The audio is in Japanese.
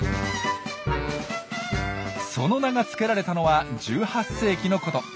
その名がつけられたのは１８世紀のこと。